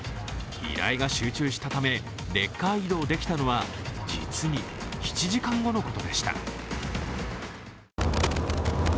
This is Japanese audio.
依頼が集中したため、レッカー移動できたのは実に７時間後のことでした。